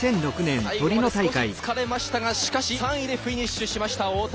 最後まで少し疲れましたがしかし３位でフィニッシュしました太田。